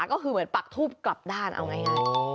ก็คือเหมือนปักทูบกลับด้านเอาง่าย